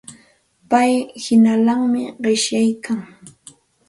Payqa hinallami qishyaykan.